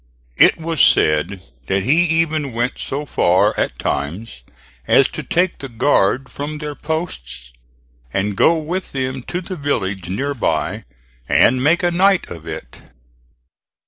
It was said that he even went so far at times as to take the guard from their posts and go with them to the village near by and make a night of it.